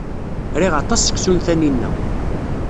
Riɣ aṭas seksu n Taninna.